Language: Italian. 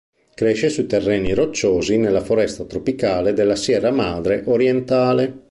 Cresce su terreni rocciosi nella foresta tropicale della Sierra Madre Orientale.